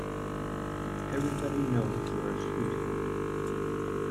Everybody knows you're a sweetheart.